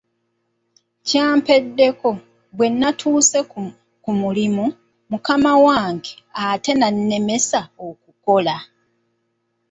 Kyampeddeko bwe nnatuuse ku mulimu mukama wange ate n’annemesa okukola.